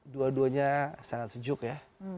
dua duanya sangat sejuk ya